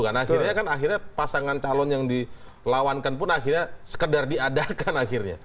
karena akhirnya kan pasangan calon yang dilawankan pun akhirnya sekedar diadakan akhirnya